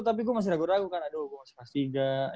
tapi gue masih ragu ragu kan aduh gue masih kelas tiga